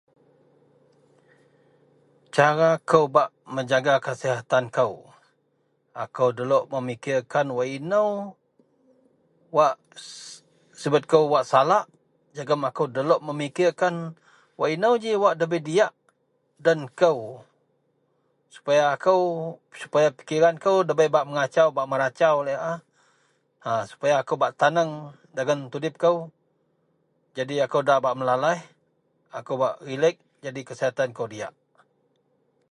Cara kou bak menjaga kesihatan kou akou delok memikirkan wak ino wak si sibet kou wak salak jegem akou delok memikirkan wak ino ji debei diyak den kou supaya akou supaya pikiran debei bak mengasau bak mengarasau laei a supaya akou bak taneng dagen hidup kou jadi akou da bak melalaih akou bak relek jadi kasihatan kou diyak.